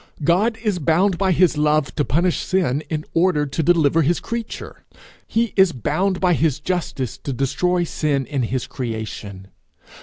God is bound by his love to punish sin in order to deliver his creature; he is bound by his justice to destroy sin in his creation.